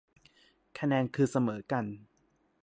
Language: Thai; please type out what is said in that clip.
คะแนนคือเสมอกัน